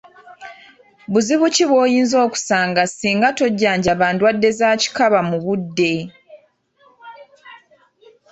Buzibu ki bw’oyinza okusanga singa tojjanjaba ndwadde za kikaba mu budde?